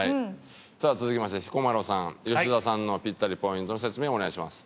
さあ続きまして彦摩呂さん吉田さんのピッタリポイントの説明をお願いします。